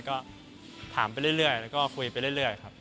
ก็ถามไปเรื่อยแล้วก็คุยไปเรื่อยครับ